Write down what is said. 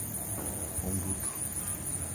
Conduto